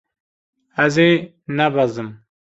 Ez ê nebezim.